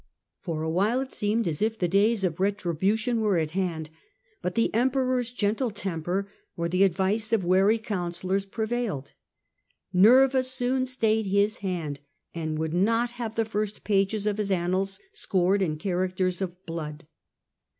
For a while it seemed as if the days of retribution were at hand, but the Emperor's gentle temper, or the advice of wary counsellors, prevailed ; Nerva soon stayed his hand, and would not have the first pages of his annals scored in characters of blood.